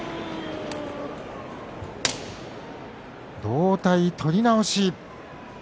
同体取り直し。